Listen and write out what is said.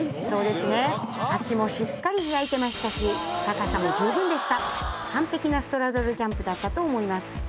そうですね脚もしっかり開いてましたし高さも十分でした完璧なストラドルジャンプだったと思います